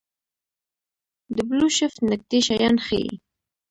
د بلوشفټ نږدې شیان ښيي.